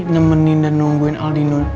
nemenin dan nungguin aldin lo